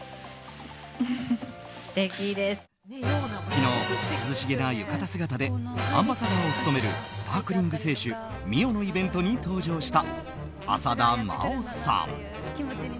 昨日、涼しげな浴衣姿でアンバサダーを務めるスパークリング清酒、澪のイベントに登場した浅田真央さん。